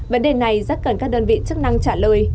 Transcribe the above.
vấn đề này rất cần các đơn vị chức năng trả lời